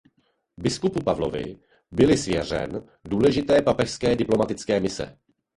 Biskupu Pavlovi byly svěřen důležité papežské diplomatické mise.